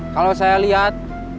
kalau saya lihat